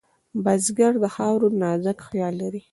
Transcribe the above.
بزګر د خاورو نازک خیال لري